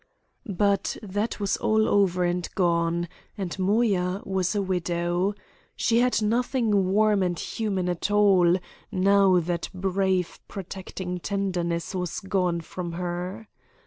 But that was all over and gone, and Moya was a widow. She had nothing warm and human at all, now that brave protecting tenderness was gone from her.